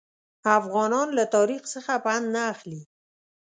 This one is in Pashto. افغانان له تاریخ څخه پند نه اخلي.